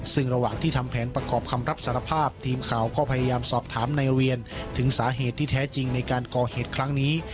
ซึ่งระหว่างที่ทำแผนประกอบคำรับสารภาพทีมข่าวก็พยายามสอบถามนายเวียนถึงสาเหตุที่แท้จริงในการก่อเหตุครั้งนี้